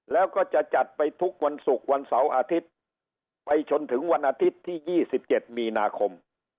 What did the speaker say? แล้วก็จะจัดไปทุกวันศุกร์วันเสาร์อาทิตย์ไปจนถึงวันอาทิตย์ที่๒๗มีนาคม